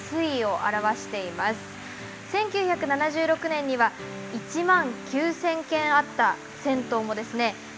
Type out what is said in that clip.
１９７６年には１万９，０００軒あった銭湯もですね